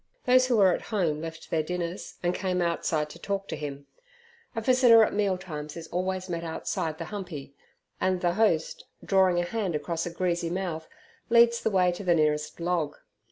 Those who were at home left their dinners, and came outside to talk to him. A visitor at mealtimes is always met outside the humpy, and the host, drawing a hand across a greasy mouth, leads the way to the nearest log.